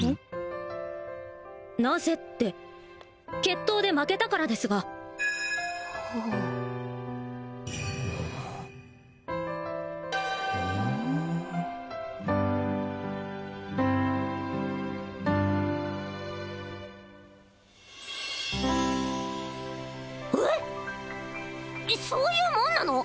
なぜって決闘で負けたからですがえっそういうもんなの！？